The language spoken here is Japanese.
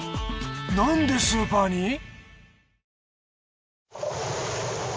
なんでスーパーに！？